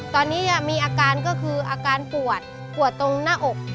ตอนนี้มีอาการก็คืออาการปวดปวดตรงหน้าอก